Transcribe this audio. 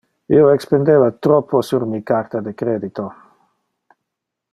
Io expendeva troppo sur mi carta de credito.